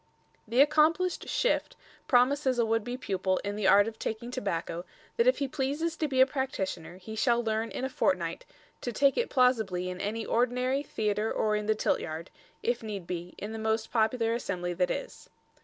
The accomplished Shift promises a would be pupil in the art of taking tobacco that if he pleases to be a practitioner, he shall learn in a fortnight to "take it plausibly in any ordinary, theatre, or the Tiltyard, if need be, in the most popular assembly that is."